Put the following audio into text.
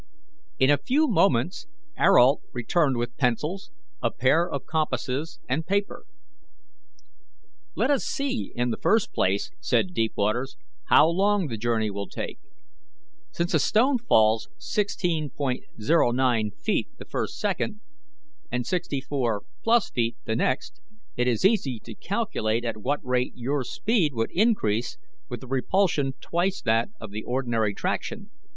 In a few moments Ayrault returned with pencils, a pair of compasses, and paper. "Let us see, in the first place," said Deepwaters, "how long the journey will take. Since a stone falls 16.09 feet the first second, and 64+ feet the next, it is easy to calculate at what rate your speed would increase with the repulsion twice that of the ordinary traction.